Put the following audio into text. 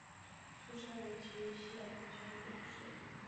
出生于崎玉县熊谷市。